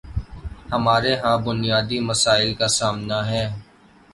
ہمارے ہاں بنیادی مسائل کا سامنا ہے۔